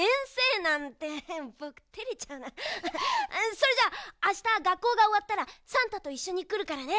それじゃああしたがっこうがおわったらさんたといっしょにくるからね。